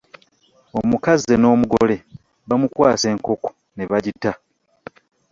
Omuko azze n’omugole bamukwasa enkoko ne bagitta.